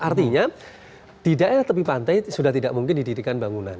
artinya di daerah tepi pantai sudah tidak mungkin didirikan bangunan